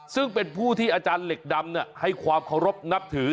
ซึ่งเป็นผู้ที่อาจารย์เหล็กดำให้ความเคารพนับถือ